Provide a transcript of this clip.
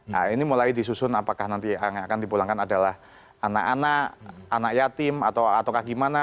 nah ini mulai disusun apakah nanti yang akan dipulangkan adalah anak anak yatim atau gimana